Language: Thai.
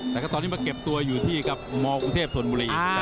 แต่ค่อนข้างเราไปเก็บอยู่ที่มองกรุงเทพศาวน์บุรี